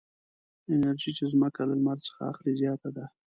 انرژي چې ځمکه له لمر څخه اخلي زیاته ده.